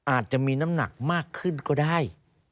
อาจจะมีน้ำหนักมากขึ้นก็ได้